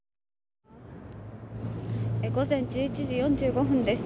午前１１時４５分です。